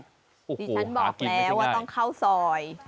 ดิฉันบอกแล้วว่าต้องเข้าซอย